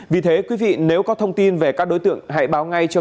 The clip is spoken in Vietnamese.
vì thế nếu có thông tin về các đối tượng hãy báo ngay cho